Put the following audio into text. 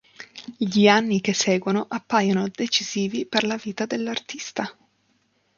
Gli anni che seguono appaiono decisivi per la vita dell'artista.